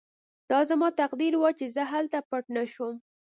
دا زما تقدیر و چې زه هلته پټ نه شوم